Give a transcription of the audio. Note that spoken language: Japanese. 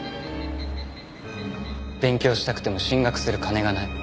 勉強したくても進学する金がない。